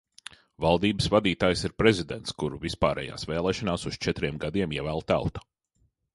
Valdības vadītājs ir prezidents, kuru vispārējās vēlēšanās uz četriem gadiem ievēl tauta.